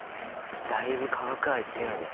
だいぶ化学愛強いね。